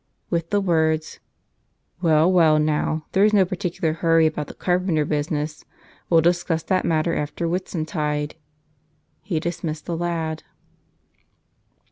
With the words, "Well, well, now, there's no particular hurry about the carpenter business. We'll discuss that mat¬ ter after Whitsuntide," he dismissed the lad.